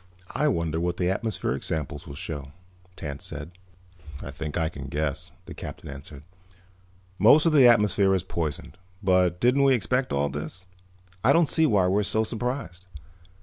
"I wonder what the atmospheric sample will show," Tance said. "I think I can guess," the Captain answered. "Most of the atmosphere is poisoned. But didn't we expect all this? I don't see why we're so surprised.